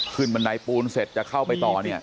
ขึ้นบันไดปูลเสร็จจะเข้าไปต่อนี่